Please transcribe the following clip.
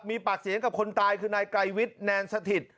มีปากเสียงกับคนตายคือนายไกรวิทย์แนนสถิต